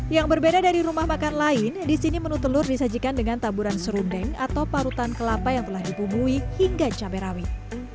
yang berbeda dari rumah makan lain di sini menu telur disajikan dengan taburan serundeng atau parutan kelapa yang telah dibumbui hingga cabai rawit